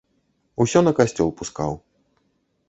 Усё на касцёл пускаў.